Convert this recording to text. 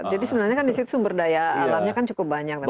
jadi sebenarnya di situ sumber daya alamnya cukup banyak